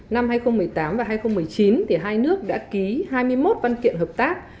năm hai nghìn một mươi tám và hai nghìn một mươi chín hai nước đã ký hai mươi một văn kiện hợp tác